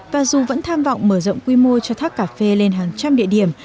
và dù vẫn tham vọng mở rộng quy mô cho tháp cà phê lên hàng trăm địa điểm